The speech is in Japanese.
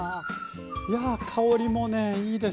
いや香りもねいいですね。